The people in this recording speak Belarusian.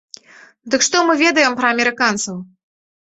Дык што мы ведаем пра амерыканцаў?